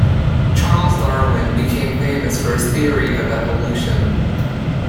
Charles Darwin became famous for his theory of evolution.